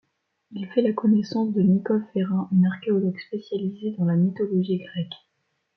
Il fait la connaissance de Nicole Ferrin, une archéologue spécialisée dans la mythologie grecque.